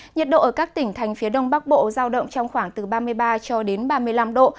nhiệt độ ở các tỉnh thành phía đông bắc bộ giao động trong khoảng từ ba mươi ba cho đến ba mươi năm độ